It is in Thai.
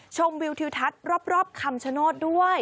วิวทิวทัศน์รอบคำชโนธด้วย